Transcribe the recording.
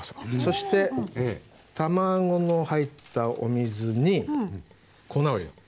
そして卵の入ったお水に粉を入れる。